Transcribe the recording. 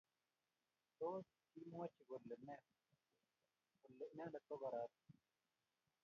Tos, kimwochi kole ne kole inendet ko korat?